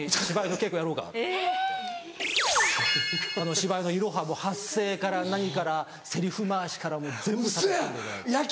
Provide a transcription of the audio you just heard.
芝居のいろはも発声から何からセリフ回しから全部たたき込んでいただいて。